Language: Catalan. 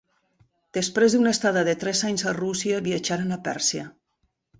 Després d'una estada de tres anys a Rússia, viatjaren a Pèrsia.